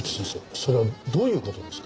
それはどういう事ですか？